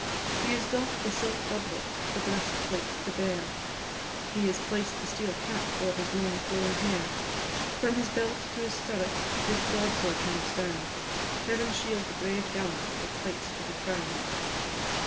He has doff'd the silk doublet the breastplate to bear, He has placed the steel cap o'er his long flowing hair, From his belt to his stirrup his broadsword hangs down Heaven shield the brave gallant that fights for the crown!